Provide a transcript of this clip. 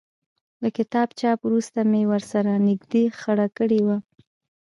له کتاب چاپ وروسته مې ورسره نږدې خړه کړې وه.